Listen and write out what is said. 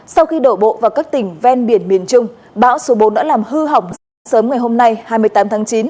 sau khi đổ bộ vào các tỉnh ven biển miền trung bão số bốn đã làm hư hỏng sáng sớm ngày hôm nay hai mươi tám tháng chín